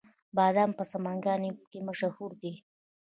بادام په سمنګان کې مشهور دي